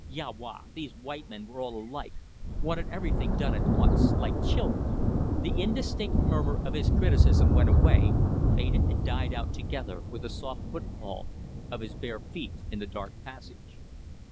Ya wa! Those white men were all alike. Wanted everything done at once. Like children ... The indistinct murmur of his criticism went away, faded and died out together with the soft footfall of his bare feet in the dark passage.